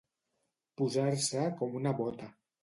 Posar-se com una bota.